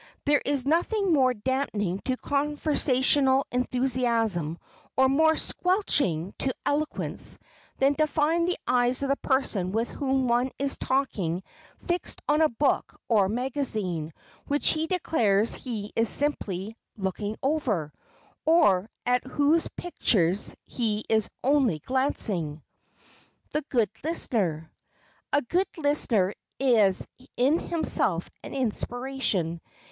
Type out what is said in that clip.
There is nothing more dampening to conversational enthusiasm, or more "squelching" to eloquence, than to find the eyes of the person with whom one is talking fixed on a book or magazine, which he declares he is simply "looking over," or at whose pictures he is "only glancing." [Sidenote: THE GOOD LISTENER] A good listener is in himself an inspiration.